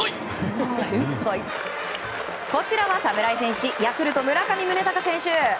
こちらは侍戦士ヤクルト、村上宗隆選手。